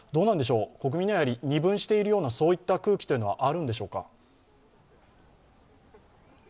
国民には二分しているような空気はあるんでしょうか？